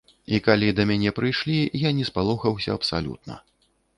І калі да мяне прыйшлі, я не спалохаўся, абсалютна.